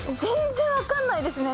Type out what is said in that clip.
全然分かんないですね。